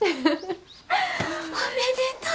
おめでとう！